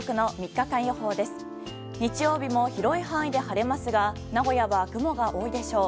日曜日も広い範囲で晴れますが名古屋は雲が多いでしょう。